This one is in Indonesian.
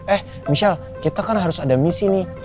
eh misal kita kan harus ada misi nih